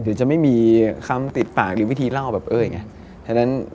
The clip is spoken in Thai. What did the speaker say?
หรือจะไม่มีคำติดปากหรือวิธีเล่าแบบเอ้ยอย่างนี้